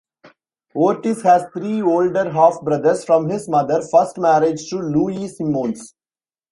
Ortiz has three older half-brothers from his mother first marriage to Louie Simmons.